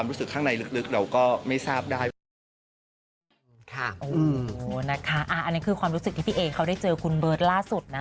อันนี้คือความรู้สึกที่พี่เอ๋เขาได้เจอคุณเบิร์ตล่าสุดนะ